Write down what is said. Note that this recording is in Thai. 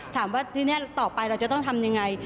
ถามว่าทีนี้ต่อไปเราจะต้องทำยังไง